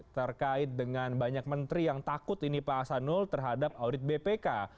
terkait dengan banyak menteri yang takut ini pak hasanul terhadap audit bpk